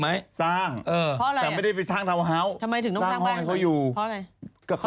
แล้วเป็นชื่อใคร